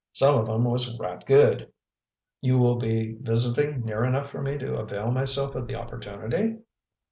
Some of 'em was right gud." "You will be visiting near enough for me to avail myself of the opportunity?"